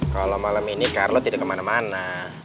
kalau malam ini carlo tidak kemana mana